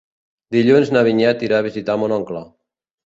Dilluns na Vinyet irà a visitar mon oncle.